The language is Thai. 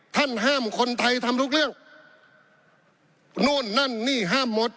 ท่านห้ามคนไทยทำทุกเรื่องนู่นนั่นนี่ห้ามหมด